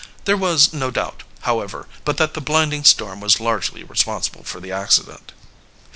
There was no doubt, however, but that the blinding storm was largely responsible for the accident.